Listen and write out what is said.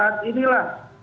bahkan disaat inilah